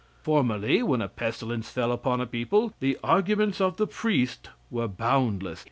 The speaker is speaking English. Formerly, when a pestilence fell upon a people, the arguments of the priest were boundless.